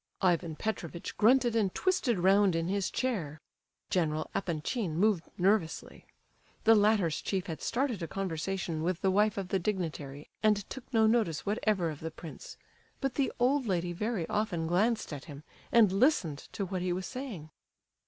Ivan Petrovitch grunted and twisted round in his chair. General Epanchin moved nervously. The latter's chief had started a conversation with the wife of the dignitary, and took no notice whatever of the prince, but the old lady very often glanced at him, and listened to what he was saying.